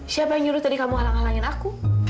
siapa yang nyuruh tadi kamu ngalang halangin aku